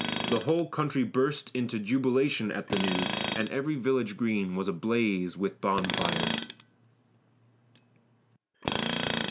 The whole country burst into jubilation at the news, and every village green was ablaze with bonfires.